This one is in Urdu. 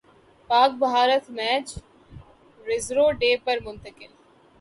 پاک بھارت میچ ریزرو ڈے پر منتقل